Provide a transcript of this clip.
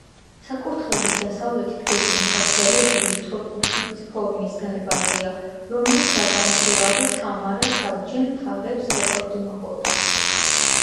საკურთხევლის დასავლეთით გეგმით წაგრძელებული სწორკუთხედის ფორმის დარბაზია, რომლის გადამხური კამარა საბჯენ თაღებს ეყრდნობოდა.